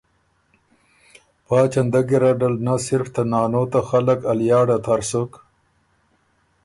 پا چندۀ ګیرډ ال نۀ صرف ته نانو ته خلق ا لیاړه تر سُک